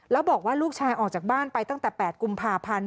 แล้วบอกว่าลูกชายออกจากบ้านไปตั้งแต่๘กุมภาพันธ์